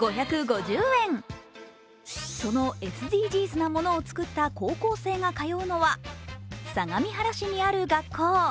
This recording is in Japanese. そのＳＤＧｓなものを作った高校生が通うのは相模原市にある学校。